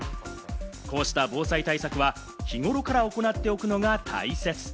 こうした防災対策は日頃から行っておくのが大切。